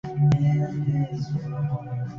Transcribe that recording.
Parte del sendero tiene marcas regulares de senderos.